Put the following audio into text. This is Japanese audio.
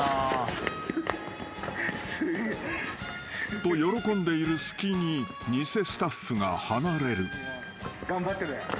［と喜んでいる隙に偽スタッフが離れる］頑張ってね。